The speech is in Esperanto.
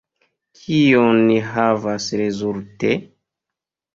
Kion ni havas rezulte?